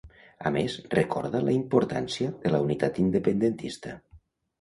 A més, recorda la importància de la unitat independentista.